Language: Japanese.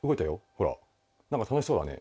ほら何か楽しそうだね。